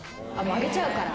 あげちゃうから。